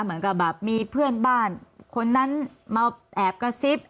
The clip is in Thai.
เหมือนกับแบบมีเพื่อนบ้านคนนั้นมาแอบกระซิบ